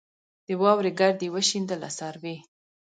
د واورې ګرد یې وشینده له سروې